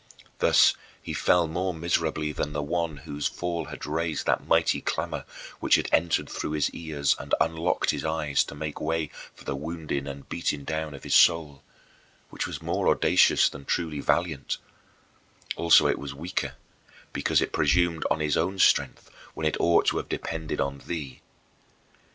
Thus he fell more miserably than the one whose fall had raised that mighty clamor which had entered through his ears and unlocked his eyes to make way for the wounding and beating down of his soul, which was more audacious than truly valiant also it was weaker because it presumed on its own strength when it ought to have depended on Thee.